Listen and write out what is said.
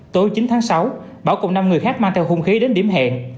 tối chín tháng sáu bảo cùng năm người khác mang theo hung khí đến điểm hẹn